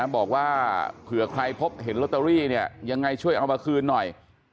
บอกว่าเผื่อใครพบเห็นลอตเตอรี่เนี่ยยังไงช่วยเอามาคืนหน่อย